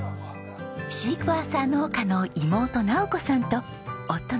シークワーサー農家の妹直子さんと夫の茂政さんです。